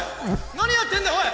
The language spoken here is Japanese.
なにやってんだおい！